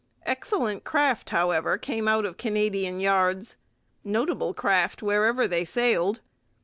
Excellent craft, however, came out of Canadian yards: notable craft wherever they sailed.